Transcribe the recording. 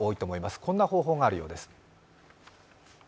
こんな方法があるようです。